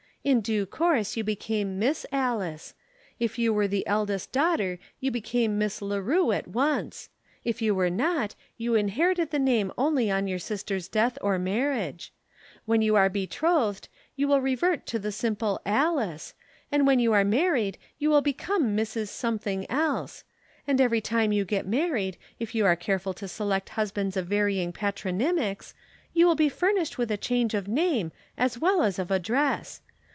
In due course you became Miss Alice; if you were the eldest daughter you became Miss Leroux at once; if you were not, you inherited the name only on your sister's death or marriage; when you are betrothed you will revert to the simple Alice, and when you are married you will become Mrs. Something Else; and every time you get married, if you are careful to select husbands of varying patronymics, you will be furnished with a change of name as well as of address.